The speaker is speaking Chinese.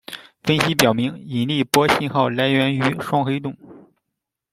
分析表明，引力波信号来源于双黑洞。